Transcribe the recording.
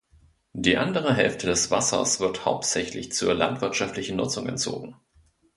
Die andere Hälfte des Wassers wird hauptsächlich zur landwirtschaftlichen Nutzung entzogen.